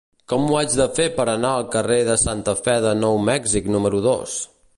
Com ho faig per anar al carrer de Santa Fe de Nou Mèxic número dos?